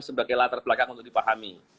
sebagai latar belakang untuk dipahami